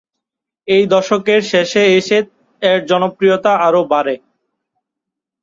এই দশকের শেষে এসে এর জনপ্রিয়তা আরো বাড়ে।